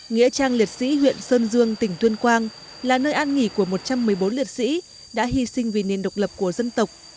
nghĩa trang liệt sĩ huyện sơn dương tỉnh tuyên quang là nơi an nghỉ của một trăm một mươi bốn liệt sĩ đã hy sinh vì nền độc lập của dân tộc